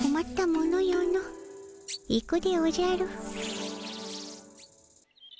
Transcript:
行くでおじゃる。